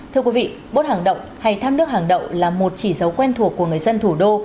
thưa quý vị bốt hàng động hay tham nước hàng động là một chỉ dấu quen thuộc của người dân thủ đô